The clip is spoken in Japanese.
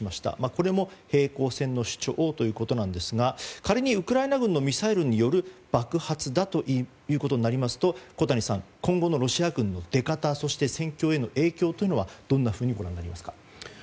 これも平行線の主張ということですが仮にウクライナ軍のミサイルによる爆発だということになりますと今後のロシア軍の出方そして戦況への影響はどんなふうにご覧になりますか？